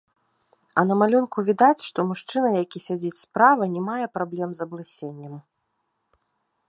А на малюнку відаць, што мужчына, які сядзіць справа, не мае праблем з аблысеннем.